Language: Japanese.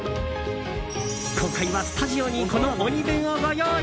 今回はスタジオにこのおに弁をご用意！